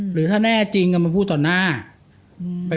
หรือถ้าแน่จริงมาพูดต่อหน้า